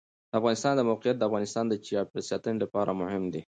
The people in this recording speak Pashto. د افغانستان د موقعیت د افغانستان د چاپیریال ساتنې لپاره مهم دي.